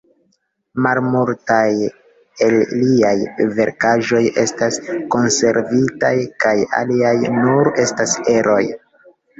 Malmultaj el liaj verkaĵoj estas konservitaj kaj aliaj nur estas eroj.